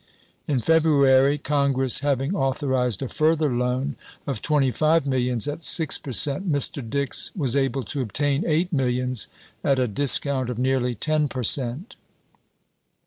In February, Congress having authorized a further loan of twenty five millions at six per cent., Mr. Dix was able to obtain eight millions at a discount of nearly ten per cent.